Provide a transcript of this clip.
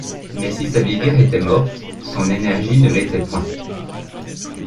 Mais si sa vigueur était morte, son énergie ne l’était point.